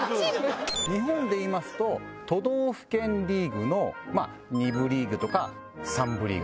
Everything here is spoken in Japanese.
日本でいいますと都道府県リーグの２部リーグとか３部リーグ。